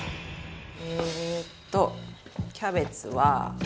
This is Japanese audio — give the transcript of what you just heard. えっとキャベツは。